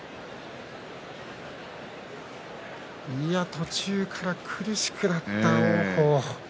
途中から苦しくなった王鵬。